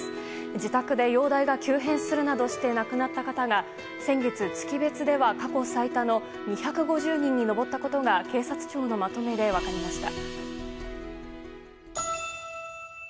自宅で容体が急変するなどして亡くなった方が先月、月別では過去最多の２５０人に上ったことが警察庁のまとめで分かりました。